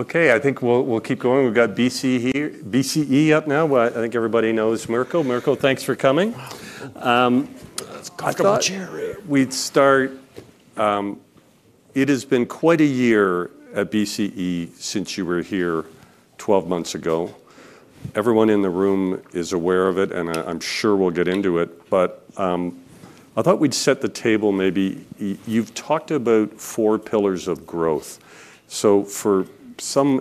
Okay, I think we'll keep going. We've got BCE up now. I think everybody knows Mirko. Mirko, thanks for coming. Thanks. It has been quite a year at BCE since you were here 12 months ago. Everyone in the room is aware of it, and I'm sure we'll get into it. I thought we'd set the table. Maybe you've talked about four pillars of growth. For some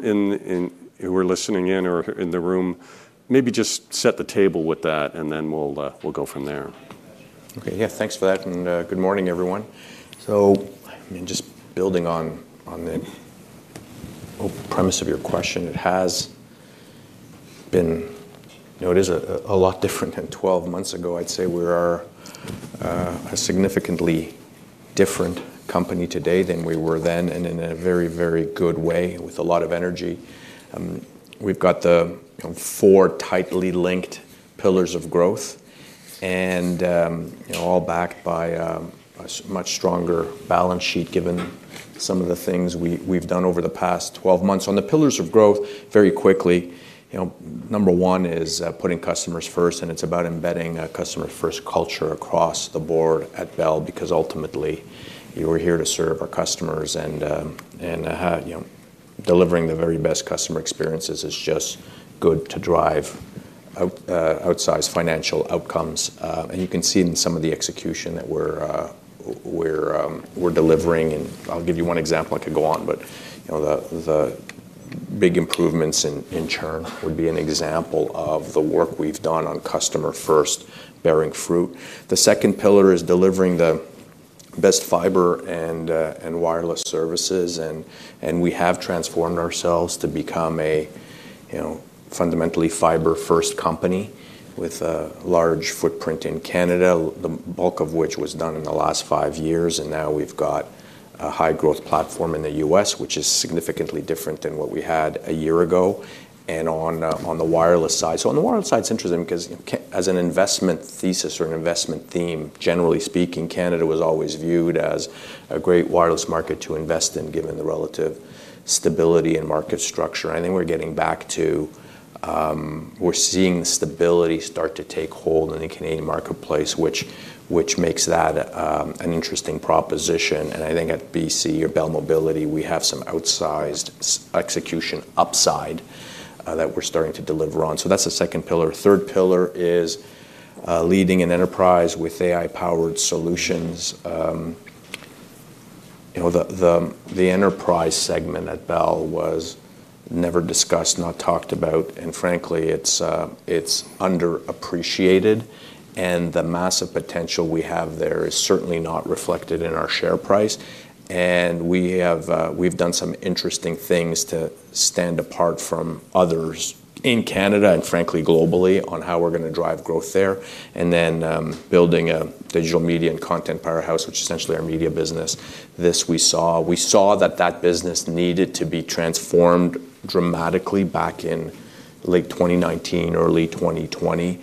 who are listening in or in the room, maybe just set the table with that, and then we'll go from there. Okay, yeah, thanks for that. Good morning, everyone. Just building on the premise of your question, it has been, you know, it is a lot different than 12 months ago. I'd say we are a significantly different company today than we were then, and in a very, very good way, with a lot of energy. We've got the four tightly linked pillars of growth, all backed by a much stronger balance sheet, given some of the things we've done over the past 12 months. On the pillars of growth, very quickly, number one is putting customers first, and it's about embedding a customer-first culture across the board at Bell, because ultimately you are here to serve our customers, and delivering the very best customer experiences is just good to drive outsized financial outcomes. You can see in some of the execution that we're delivering, and I'll give you one example. I could go on, but the big improvements in churn would be an example of the work we've done on customer-first bearing fruit. The second pillar is delivering the best fiber and wireless services, and we have transformed ourselves to become a fundamentally fiber-first company with a large footprint in Canada, the bulk of which was done in the last five years. Now we've got a high-growth platform in the U.S., which is significantly different than what we had a year ago. On the wireless side, it is interesting because, as an investment thesis or an investment theme, generally speaking, Canada was always viewed as a great wireless market to invest in, given the relative stability and market structure. I think we're getting back to, we're seeing stability start to take hold in the Canadian marketplace, which makes that an interesting proposition. I think at BCE or Bell Mobility, we have some outsized execution upside that we're starting to deliver on. That's the second pillar. The third pillar is leading an enterprise with AI-powered solutions. The enterprise segment at Bell was never discussed, not talked about, and frankly, it's underappreciated. The massive potential we have there is certainly not reflected in our share price. We've done some interesting things to stand apart from others in Canada and frankly globally on how we're going to drive growth there. Then building a digital media and content powerhouse, which is essentially our media business. We saw that business needed to be transformed dramatically back in late 2019, early 2020.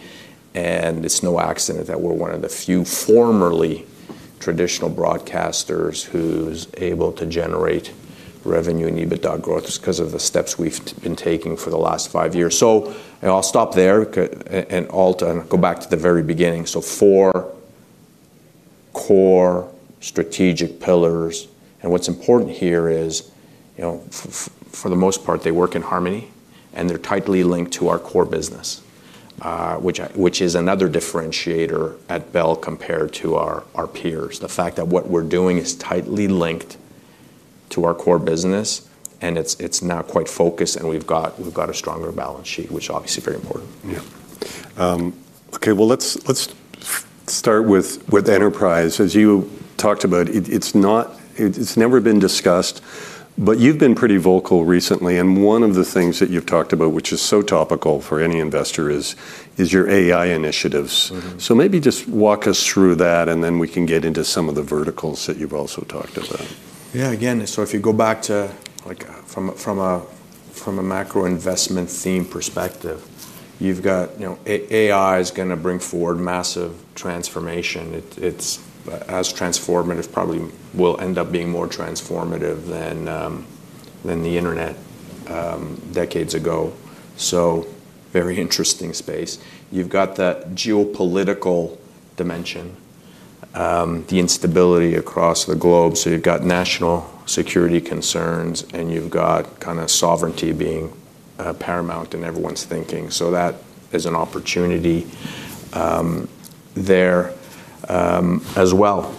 It's no accident that we're one of the few formerly traditional broadcasters who's able to generate revenue and EBITDA growth because of the steps we've been taking for the last five years. I'll stop there and go back to the very beginning. Four core strategic pillars. What's important here is, for the most part, they work in harmony and they're tightly linked to our core business, which is another differentiator at Bell compared to our peers. The fact that what we're doing is tightly linked to our core business and it's not quite focused, and we've got a stronger balance sheet, which is obviously very important. Okay, let's start with enterprise. As you talked about, it's never been discussed, but you've been pretty vocal recently. One of the things that you've talked about, which is so topical for any investor, is your AI initiatives. Maybe just walk us through that, and then we can get into some of the verticals that you've also talked about. Yeah, again, if you go back to, like, from a macro investment theme perspective, you've got, you know, AI is going to bring forward massive transformation. It's as transformative, probably will end up being more transformative than the internet decades ago. Very interesting space. You've got that geopolitical dimension, the instability across the globe. You've got national security concerns, and you've got kind of sovereignty being paramount in everyone's thinking. That is an opportunity there as well.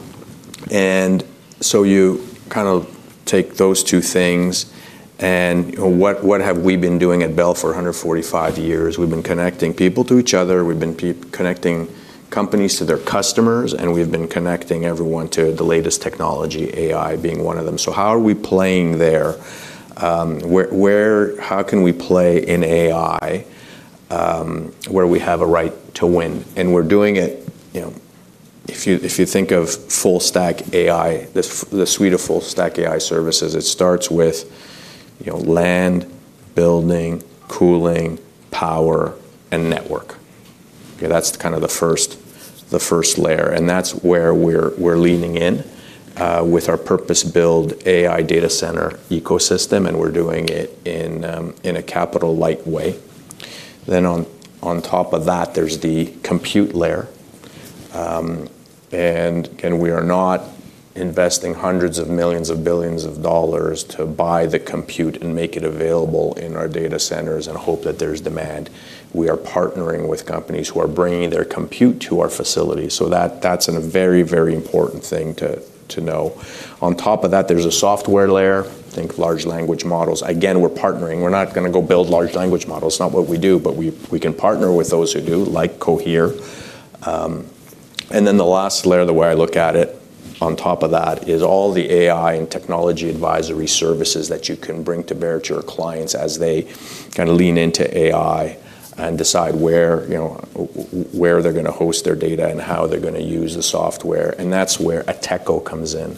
You kind of take those two things, and you know, what have we been doing at Bell for 145 years? We've been connecting people to each other. We've been connecting companies to their customers, and we've been connecting everyone to the latest technology, AI being one of them. How are we playing there? Where, how can we play in AI where we have a right to win? We're doing it, you know, if you think of full-stack AI, the suite of full-stack AI services, it starts with, you know, land, building, cooling, power, and network. That's kind of the first layer, and that's where we're leaning in with our purpose-built AI data center ecosystem. We're doing it in a capital-light way. On top of that, there's the compute layer. Again, we are not investing hundreds of millions or billions of dollars to buy the compute and make it available in our data centers and hope that there's demand. We are partnering with companies who are bringing their compute to our facilities. That's a very, very important thing to know. On top of that, there's a software layer. Think large language models. Again, we're partnering. We're not going to go build large language models. It's not what we do, but we can partner with those who do, like Cohere. The last layer, the way I look at it on top of that, is all the AI and technology advisory services that you can bring to bear to your clients as they kind of lean into AI and decide where, you know, where they're going to host their data and how they're going to use the software. That's where Ateko comes in,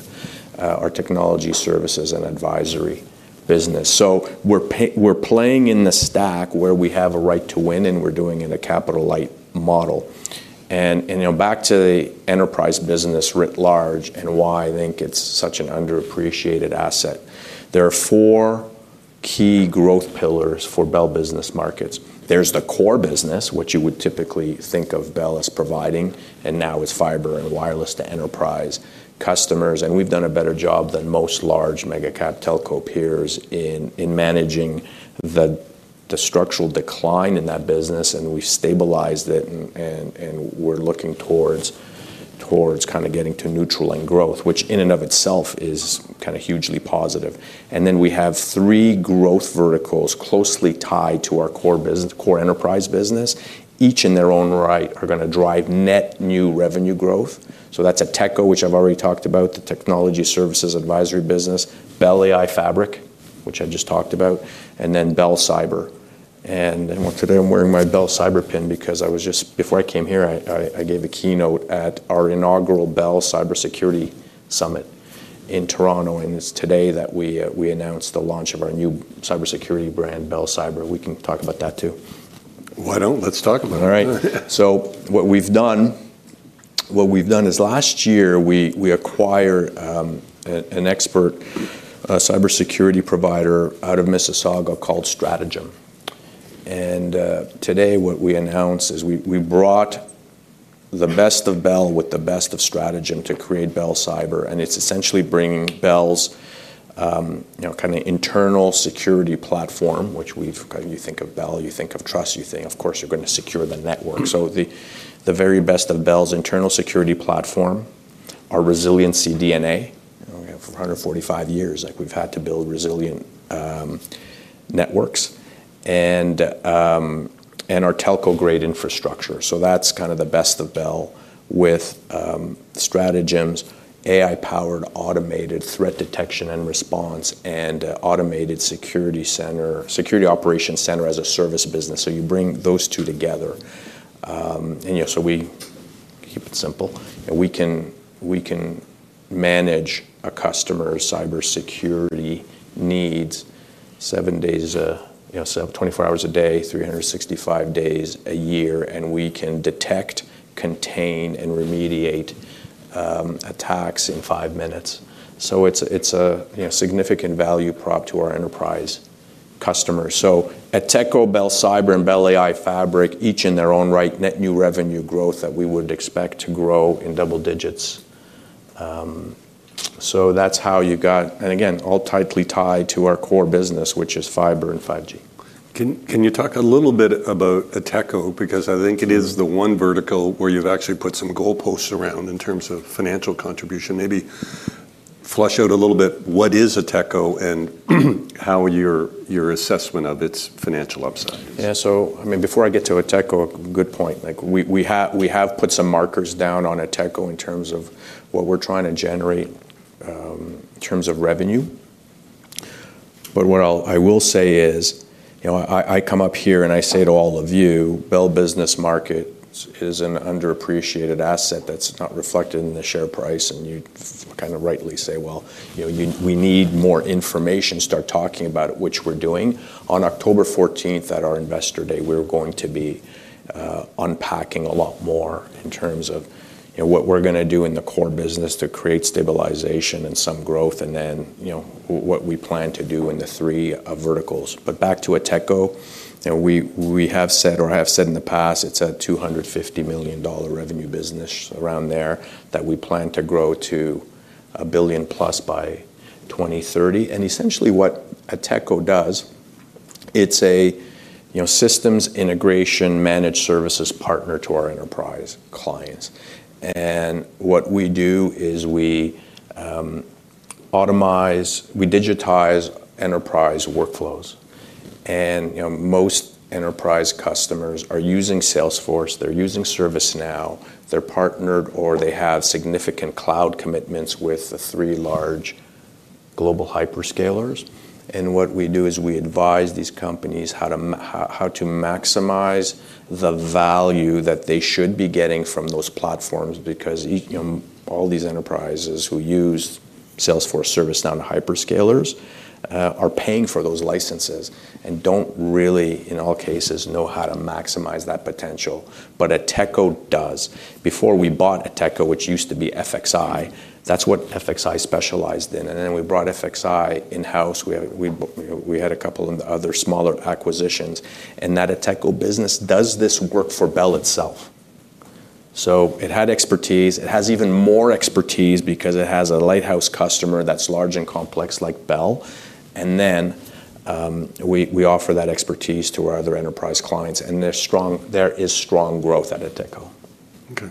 our technology services and advisory business. We're playing in the stack where we have a right to win, and we're doing it in a capital-light model. Back to the enterprise business writ large and why I think it's such an underappreciated asset. There are four key growth pillars for Bell Business Markets. There's the core business, what you would typically think of Bell as providing, and now it's fiber and wireless to enterprise customers. We've done a better job than most large mega-cap telco peers in managing the structural decline in that business. We've stabilized it and we're looking towards kind of getting to neutral in growth, which in and of itself is kind of hugely positive. We have three growth verticals closely tied to our core business, core enterprise business, each in their own right, are going to drive net new revenue growth. That's Ateko, which I've already talked about, the technology services advisory business, Bell AI Fabric, which I just talked about, and then Bell Cyber. Today I'm wearing my Bell Cyber pin because I was just, before I came here, I gave a keynote at our inaugural Bell Cybersecurity Summit in Toronto. It's today that we announced the launch of our new cybersecurity brand, Bell Cyber. We can talk about that too. Why don't we talk about that? All right. What we've done is last year we acquired an expert cybersecurity provider out of Mississauga called Stratejm. Today we announced we brought the best of Bell with the best of Stratejm to create Bell Cyber. It's essentially bringing Bell's internal security platform, which, you know, you think of Bell, you think of trust, you think of course you're going to secure the network. The very best of Bell's internal security platform, our resiliency DNA, you know, we have 145 years, like we've had to build resilient networks and our telco-grade infrastructure. That's the best of Bell with Stratejm's AI-powered automated threat detection and response and automated security operations center as a service business. You bring those two together. We keep it simple and we can manage a customer's cybersecurity needs seven days, 24 hours a day, 365 days a year. We can detect, contain, and remediate attacks in five minutes. It's a significant value prop to our enterprise customers. Ateko, Bell Cyber, and Bell AI Fabric, each in their own right, net new revenue growth that we would expect to grow in double digits. That's how you got, and again, all tightly tied to our core business, which is fiber and 5G. Can you talk a little bit about Ateko? I think it is the one vertical where you've actually put some goalposts around in terms of financial contribution. Maybe flesh out a little bit what is Ateko and how your assessment of its financial upset. Yeah, before I get to Ateko, a good point, we have put some markers down on Ateko in terms of what we're trying to generate in terms of revenue. What I will say is, I come up here and I say to all of you, Bell Business Markets is an underappreciated asset that's not reflected in the share price. You kind of rightly say, you know, we need more information to start talking about it, which we're doing. On October 14th at our investor day, we're going to be unpacking a lot more in terms of what we're going to do in the core business to create stabilization and some growth. You know, what we plan to do in the three verticals. Back to Ateko, we have said, or I have said in the past, it's a $250 million revenue business around there that we plan to grow to $1+ billion by 2030. Essentially what Ateko does, it's a systems integration managed services partner to our enterprise clients. What we do is we automize, we digitize enterprise workflows. Most enterprise customers are using Salesforce, they're using ServiceNow, they're partnered, or they have significant cloud commitments with the three large global hyperscalers. What we do is we advise these companies how to maximize the value that they should be getting from those platforms because all these enterprises who use Salesforce, ServiceNow, and hyperscalers are paying for those licenses and don't really, in all cases, know how to maximize that potential. Ateko does. Before we bought Ateko, which used to be FXI, that's what FXI specialized in. We brought FXI in-house. We had a couple of other smaller acquisitions. That Ateko business does this work for Bell itself. It had expertise. It has even more expertise because it has a lighthouse customer that's large and complex like Bell. We offer that expertise to our other enterprise clients. There is strong growth at Ateko. Okay.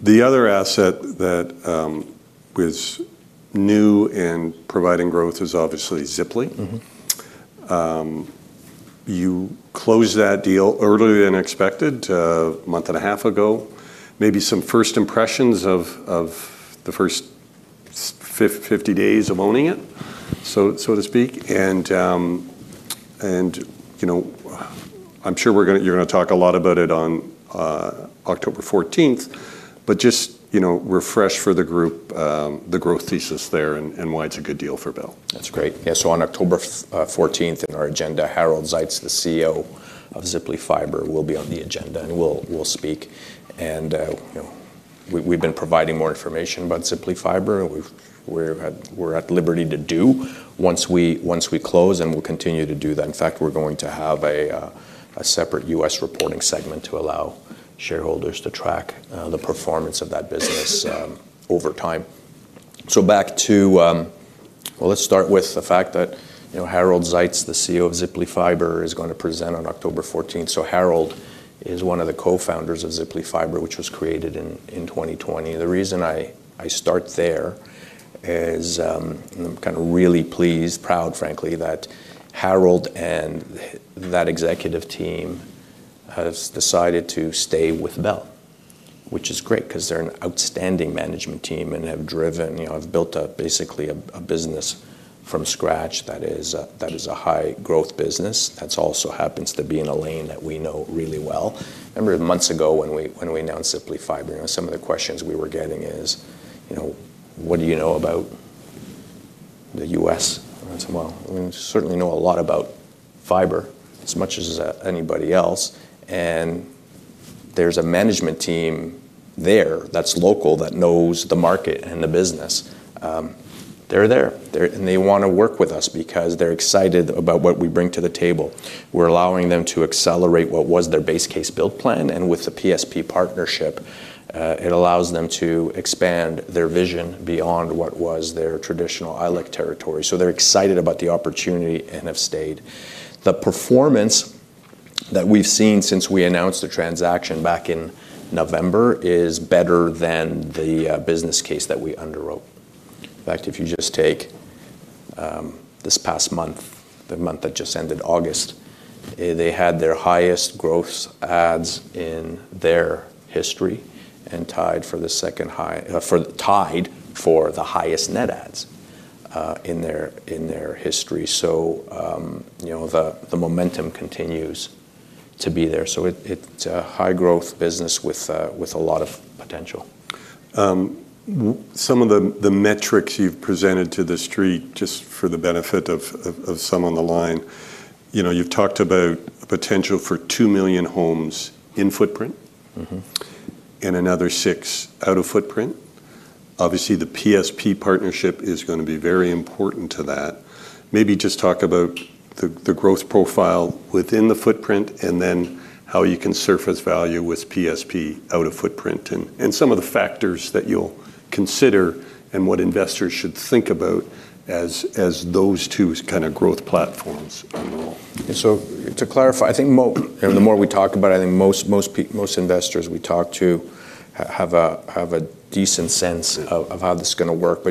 The other asset that is new in providing growth is obviously Ziply. You closed that deal earlier than expected, a month and a half ago. Maybe some first impressions of the first 50 days of owning it, so to speak. I'm sure you're going to talk a lot about it on October 14th, but just refresh for the group the growth thesis there and why it's a good deal for Bell. That's great. Yeah, on October 14th in our agenda, Harold Zeitz, the CEO of Ziply Fiber, will be on the agenda and will speak. We've been providing more information about Ziply Fiber. We're at liberty to do once we close and we'll continue to do that. In fact, we're going to have a separate U.S. reporting segment to allow shareholders to track the performance of that business over time. Back to, let's start with the fact that Harold Zeitz, the CEO of Ziply Fiber, is going to present on October 14th. Harold is one of the co-founders of Ziply Fiber, which was created in 2020. The reason I start there is I'm really pleased, proud, frankly, that Harold and that executive team have decided to stay with Bell, which is great because they're an outstanding management team and have built up basically a business from scratch that is a high-growth business. That also happens to be in a lane that we know really well. I remember months ago when we announced Ziply Fiber, some of the questions we were getting were, what do you know about the U.S.? I said, we certainly know a lot about fiber as much as anybody else. There's a management team there that's local that knows the market and the business. They're there and they want to work with us because they're excited about what we bring to the table. We're allowing them to accelerate what was their base case build plan. With the PSP partnership, it allows them to expand their vision beyond what was their traditional ILEC territory. They're excited about the opportunity and have stayed. The performance that we've seen since we announced the transaction back in November is better than the business case that we underwrote. In fact, if you just take this past month, the month that just ended, August, they had their highest growth ads in their history and tied for the highest net ads in their history. The momentum continues to be there. It's a high-growth business with a lot of potential. Some of the metrics you've presented to the street, just for the benefit of some on the line, you've talked about a potential for 2 million homes in footprint and another 6 million out of footprint. Obviously, the PSP partnership is going to be very important to that. Maybe just talk about the growth profile within the footprint and then how you can surface value with PSP out of footprint and some of the factors that you'll consider and what investors should think about as those two kind of growth platforms. To clarify, I think the more we talk about it, most investors we talk to have a decent sense of how this is going to work.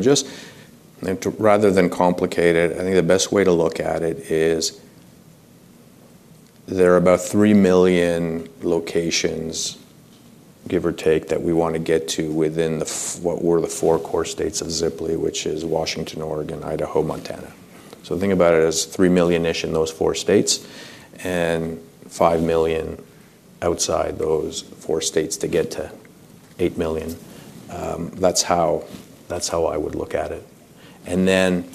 Rather than complicate it, the best way to look at it is there are about 3 million locations, give or take, that we want to get to within what were the four core states of Ziply Fiber, which are Washington, Oregon, Idaho, and Montana. Think about it as 3 million-ish in those four states and 5 million outside those four states to get to 8 million. That's how I would look at it.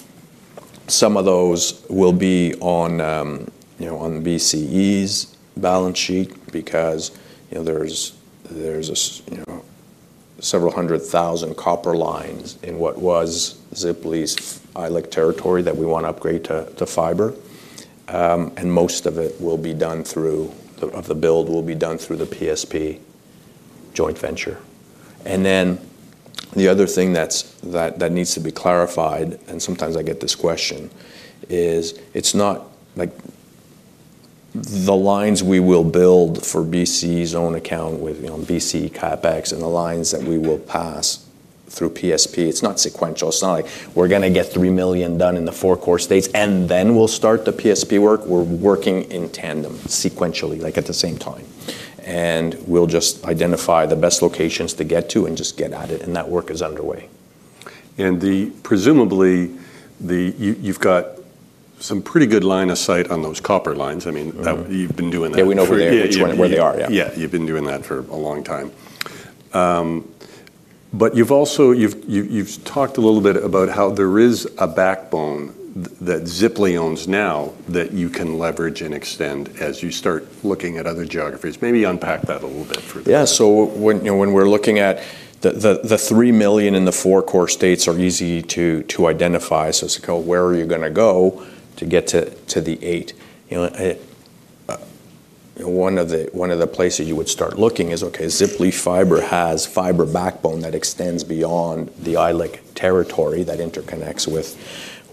Some of those will be on BCE's balance sheet because there are several hundred thousand copper lines in what was Ziply's ILEC territory that we want to upgrade to fiber. Most of the build will be done through the PSP joint venture. The other thing that needs to be clarified, and sometimes I get this question, is it's not like the lines we will build for BCE's own account with BCE CapEx and the lines that we will pass through PSP. It's not sequential. It's not like we're going to get 3 million done in the four core states and then we'll start the PSP work. We're working in tandem, sequentially, at the same time. We'll just identify the best locations to get to and just get at it. That work is underway. Presumably, you've got some pretty good line of sight on those copper lines. I mean, you've been doing that. Yeah, we know where they are. Yeah, you've been doing that for a long time. You've also talked a little bit about how there is a backbone that Ziply owns now that you can leverage and extend as you start looking at other geographies. Maybe unpack that a little bit for this. Yeah, so when we're looking at the 3 million in the four core states, they're easy to identify. It's like, oh, where are you going to go to get to the eight? One of the places you would start looking is, okay, Ziply Fiber has fiber backbone that extends beyond the ILEC territory that interconnects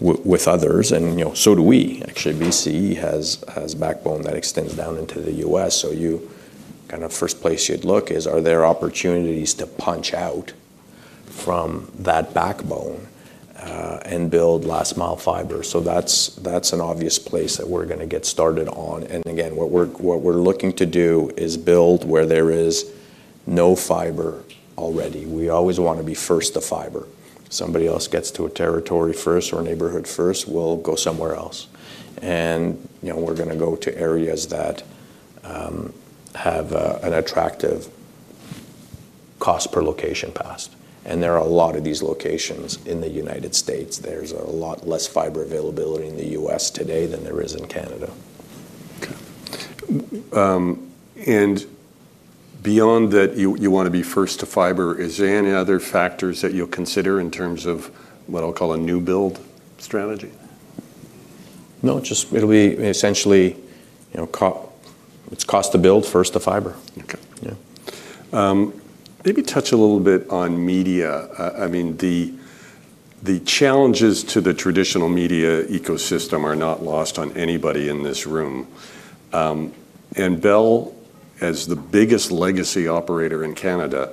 with others. You know, so do we. Actually, BCE has backbone that extends down into the U.S. The first place you'd look is, are there opportunities to punch out from that backbone and build last mile fiber? That's an obvious place that we're going to get started on. What we're looking to do is build where there is no fiber already. We always want to be first to fiber. If somebody else gets to a territory first or a neighborhood first, we'll go somewhere else. We're going to go to areas that have an attractive cost per location passed. There are a lot of these locations in the United States. There's a lot less fiber availability in the U.S. today than there is in Canada. Beyond that, you want to be first to fiber. Is there any other factors that you'll consider in terms of what I'll call a new build strategy? No, it'll be essentially, you know, it's cost to build first to fiber. Okay. Maybe touch a little bit on media. The challenges to the traditional media ecosystem are not lost on anybody in this room. Bell, as the biggest legacy operator in Canada,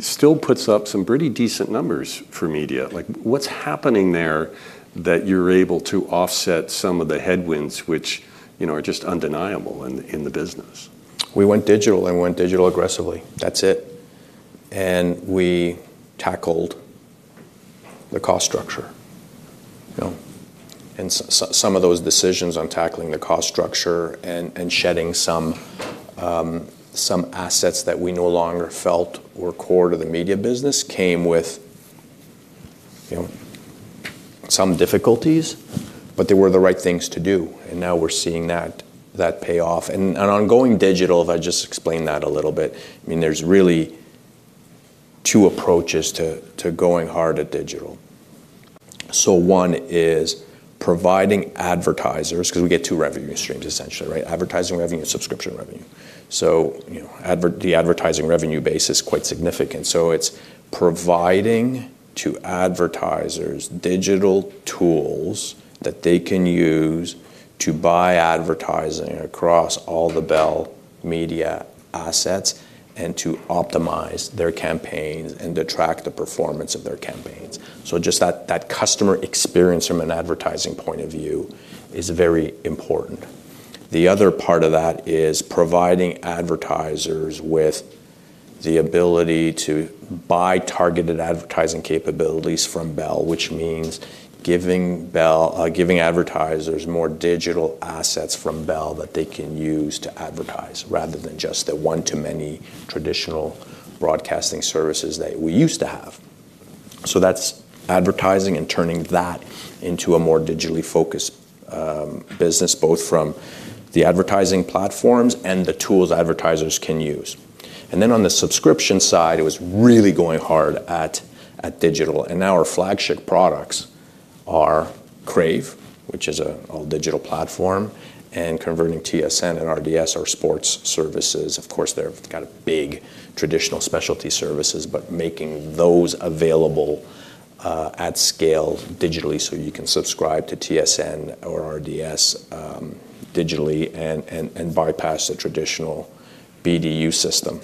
still puts up some pretty decent numbers for media. What's happening there that you're able to offset some of the headwinds, which are just undeniable in the business? We went digital and went digital aggressively. That's it. We tackled the cost structure. Some of those decisions on tackling the cost structure and shedding some assets that we no longer felt were core to the media business came with some difficulties, but they were the right things to do. Now we're seeing that pay off. On going digital, if I just explain that a little bit, I mean, there's really two approaches to going hard at digital. One is providing advertisers, because we get two revenue streams essentially, right? Advertising revenue and subscription revenue. The advertising revenue base is quite significant. It's providing to advertisers digital tools that they can use to buy advertising across all the Bell Media assets and to optimize their campaigns and to track the performance of their campaigns. Just that customer experience from an advertising point of view is very important. The other part of that is providing advertisers with the ability to buy targeted advertising capabilities from Bell, which means giving advertisers more digital assets from Bell that they can use to advertise rather than just the one-to-many traditional broadcasting services that we used to have. That's advertising and turning that into a more digitally focused business, both from the advertising platforms and the tools advertisers can use. On the subscription side, it was really going hard at digital. Now our flagship products are Crave, which is an all-digital platform, and converting TSN and RDS, our sports services. Of course, they've got big traditional specialty services, but making those available at scale digitally so you can subscribe to TSN or RDS digitally and bypass the traditional BDU system.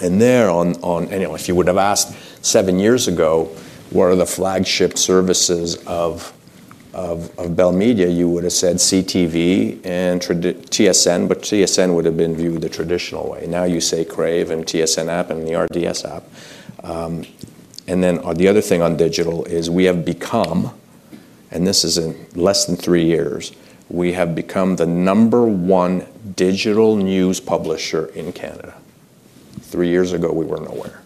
If you would have asked seven years ago, what are the flagship services of Bell Media, you would have said CTV and TSN, but TSN would have been viewed the traditional way. Now you say Crave and TSN app and the RDS app. The other thing on digital is we have become, and this is in less than three years, we have become the number one digital news publisher in Canada. Three years ago, we were nowhere.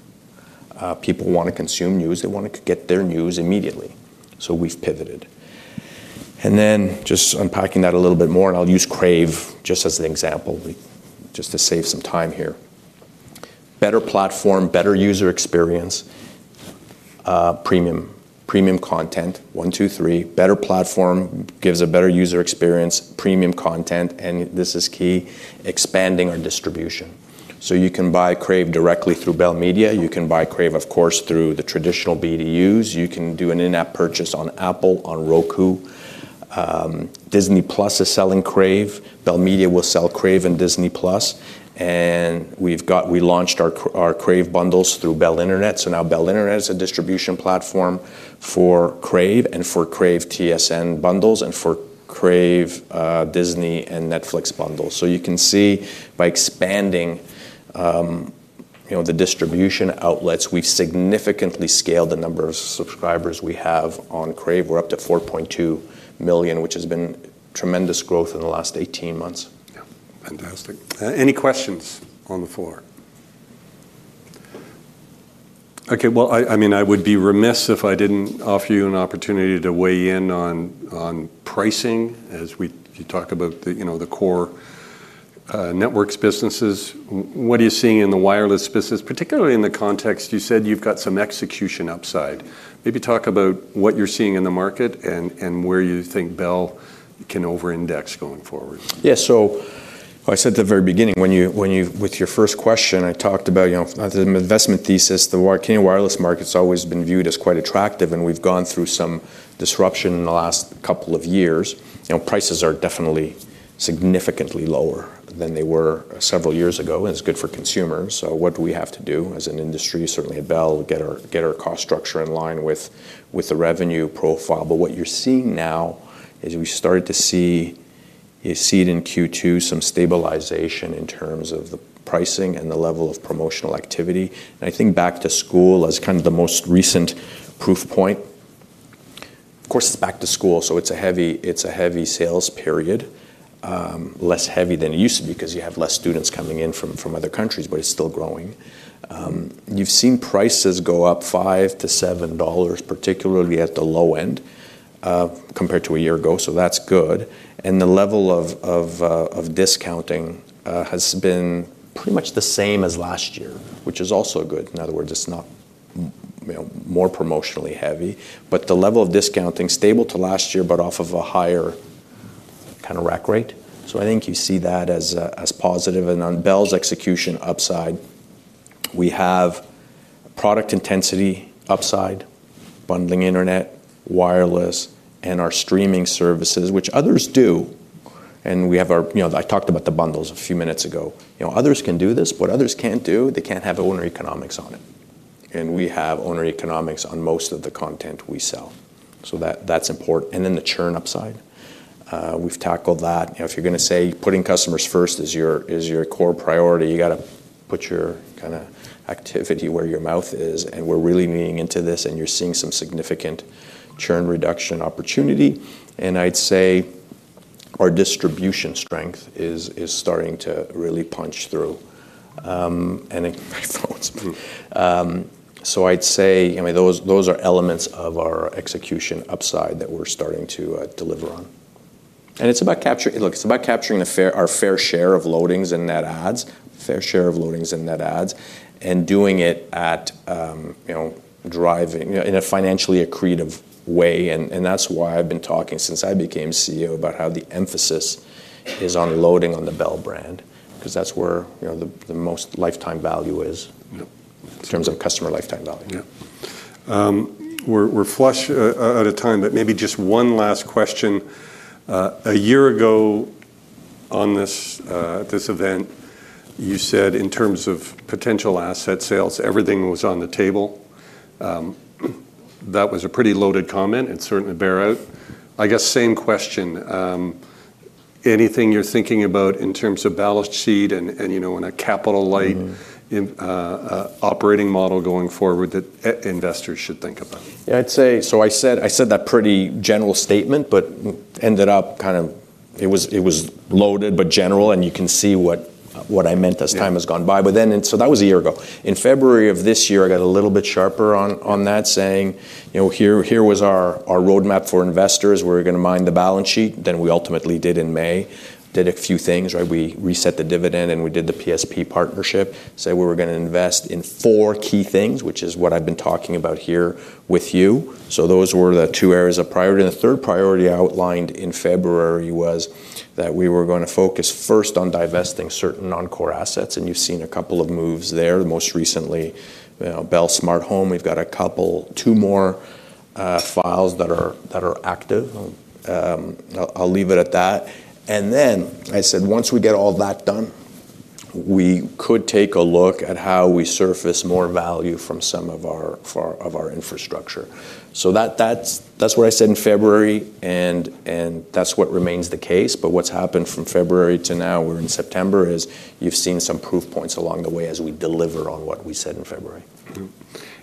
People want to consume news. They want to get their news immediately. We have pivoted. Unpacking that a little bit more, and I'll use Crave just as an example, just to save some time here. Better platform, better user experience, premium content, one, two, three. Better platform gives a better user experience, premium content, and this is key, expanding our distribution. You can buy Crave directly through Bell Media. You can buy Crave, of course, through the traditional BDUs. You can do an in-app purchase on Apple, on Roku. Disney+ is selling Crave. Bell Media will sell Crave and Disney+. We've got, we launched our Crave bundles through Bell Internet. Now Bell Internet is a distribution platform for Crave and for Crave TSN bundles and for Crave, Disney, and Netflix bundles. You can see by expanding the distribution outlets, we've significantly scaled the number of subscribers we have on Crave. We're up to 4.2 million, which has been tremendous growth in the last 18 months. Fantastic. Any questions on the floor? Okay, I would be remiss if I didn't offer you an opportunity to weigh in on pricing as we talk about the core networks businesses. What are you seeing in the wireless business, particularly in the context you said you've got some execution upside? Maybe talk about what you're seeing in the market and where you think Bell can over-index going forward. Yeah, so I said at the very beginning, when you, with your first question, I talked about, you know, the investment thesis. The wireless market's always been viewed as quite attractive, and we've gone through some disruption in the last couple of years. Prices are definitely significantly lower than they were several years ago, and it's good for consumers. What do we have to do as an industry? Certainly at Bell, get our cost structure in line with the revenue profile. What you're seeing now is we started to see, you see it in Q2, some stabilization in terms of the pricing and the level of promotional activity. I think back to school as kind of the most recent proof point. Of course, it's back to school, so it's a heavy sales period, less heavy than it used to be because you have less students coming in from other countries, but it's still growing. You've seen prices go up $5 to $7, particularly at the low end compared to a year ago, so that's good. The level of discounting has been pretty much the same as last year, which is also good. In other words, it's not, you know, more promotionally heavy, but the level of discounting is stable to last year, but off of a higher kind of rack rate. I think you see that as positive. On Bell's execution upside, we have a product intensity upside, bundling internet, wireless, and our streaming services, which others do. We have our, you know, I talked about the bundles a few minutes ago. Others can do this, but others can't do. They can't have owner economics on it. We have owner economics on most of the content we sell, so that's important. The churn upside, we've tackled that. If you're going to say putting customers first is your core priority, you got to put your kind of activity where your mouth is. We're really leaning into this, and you're seeing some significant churn reduction opportunity. I'd say our distribution strength is starting to really punch through. I'd say, I mean, those are elements of our execution upside that we're starting to deliver on. It's about capturing, look, it's about capturing our fair share of loadings and net ads, fair share of loadings and net ads, and doing it at, you know, driving in a financially accretive way. That's why I've been talking since I became CEO about how the emphasis is on loading on the Bell brand, because that's where, you know, the most lifetime value is in terms of customer lifetime value. Yeah. We're flush at time, but maybe just one last question. A year ago at this event, you said in terms of potential asset sales, everything was on the table. That was a pretty loaded comment. It's certainly borne out. I guess same question. Anything you're thinking about in terms of balance sheet and, you know, in a capital-light operating model going forward that investors should think about? I'd say, I said that pretty general statement, but it ended up kind of, it was loaded, but general, and you can see what I meant as time has gone by. That was a year ago. In February of this year, I got a little bit sharper on that, saying, you know, here was our roadmap for investors. We're going to mine the balance sheet. We ultimately did in May, did a few things, right? We reset the dividend and we did the PSP partnership, said we were going to invest in four key things, which is what I've been talking about here with you. Those were the two areas of priority. The third priority outlined in February was that we were going to focus first on divesting certain non-core assets. You've seen a couple of moves there. Most recently, Bell Smart Home, we've got a couple, two more files that are active. I'll leave it at that. I said, once we get all that done, we could take a look at how we surface more value from some of our infrastructure. That's what I said in February, and that remains the case. What's happened from February to now, we're in September, is you've seen some proof points along the way as we deliver on what we said in February.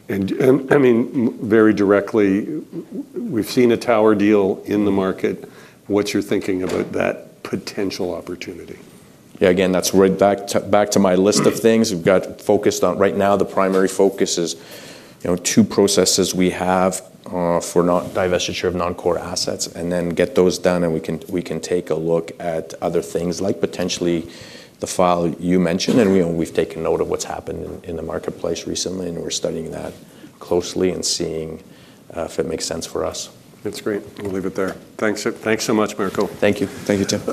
Very directly, we've seen a tower deal in the market. What's your thinking about that potential opportunity? Yeah, that's right back to my list of things. We've got focused on right now, the primary focus is, you know, two processes we have for divestiture of non-core assets, and then get those done. We can take a look at other things like potentially the file you mentioned. We've taken note of what's happened in the marketplace recently, and we're studying that closely and seeing if it makes sense for us. That's great. We'll leave it there. Thanks so much, Mirko. Thank you. Thank you, Tim.